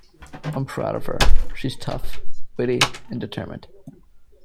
"I'm proud of her; she's tough, witty and determined".